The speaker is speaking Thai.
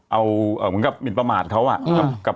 เอาเหมือนกับหมินประมาทเขาอะ